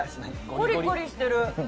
コリコリしてる。